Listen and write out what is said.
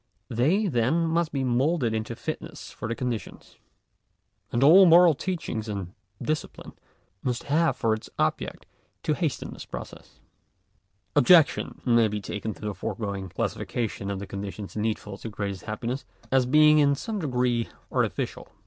They, then, must be moulded into fitness for the conditions. And all moral teaching and discipline, must have for its object, to hasten this process. §8. Objection may be taken to the foregoing classification of the conditions needful to greatest happiness, as being in some degree artificial.